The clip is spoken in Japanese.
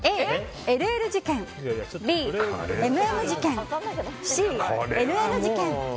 Ａ、ＬＬ事件Ｂ、ＭＭ事件Ｃ、ＮＮ事件。